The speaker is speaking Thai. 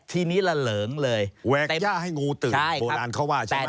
ทีนี้ละเหลิงเลยแหวกย่าให้งูตื่นโบราณเขาว่าใช่ไหม